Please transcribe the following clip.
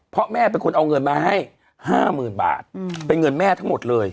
เพราะแม่เป็นคนเอาเงินมาให้๕๐๐๐บาทเป็นเงินแม่ทั้งหมดเลย